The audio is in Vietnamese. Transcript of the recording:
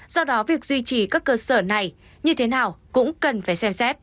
do đó việc duy trì các cơ sở này như thế nào cũng cần phải xem xét